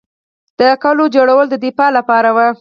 د قلعو جوړول د دفاع لپاره وو